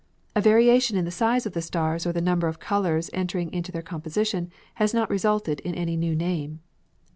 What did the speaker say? A variation in the size of the stars or the number of colours entering into their composition has not resulted in any new name.